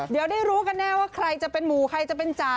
เดี๋ยวได้รู้กันแน่ว่าใครจะเป็นหมู่ใครจะเป็นจ๋า